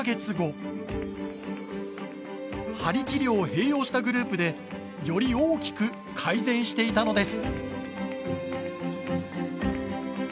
鍼治療を併用したグループでより大きく改善していたのです。